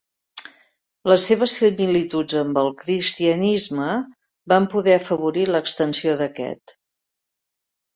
Les seves similituds amb el cristianisme van poder afavorir l'extensió d'aquest.